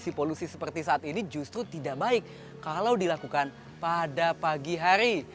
kondisi polusi seperti saat ini justru tidak baik kalau dilakukan pada pagi hari